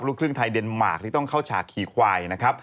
ครึ่งไทยเดนมาร์คที่ต้องเข้าฉากขี่ควายนะครับ